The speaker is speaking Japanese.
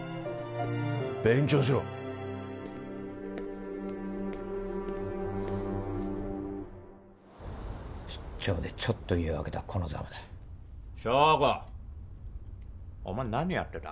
勉強しろ出張でちょっと家をあけたらこのざまだ祥子お前何やってた？